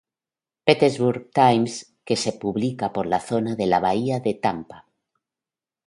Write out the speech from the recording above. Petersburg Times", que se publica por la zona de la Bahía de Tampa.